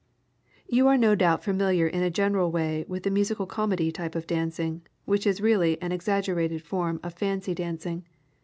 You are no doubt familiar in a general way with the Musical Comedy type of dancing, which is really an exaggerated form of fancy dancing.